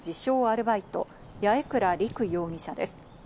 アルバイト・八重倉陸容疑者です。